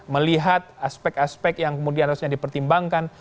melihat aspek aspek yang kemudian harusnya dipertimbangkan